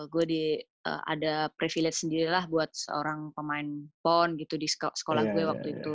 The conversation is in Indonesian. gue ada privilege sendiri lah buat seorang pemain pon gitu di sekolah gue waktu itu